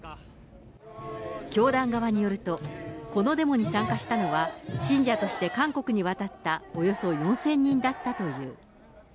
教団側によると、このデモに参加したのは、信者として韓国に渡ったおよそ４０００人だったという。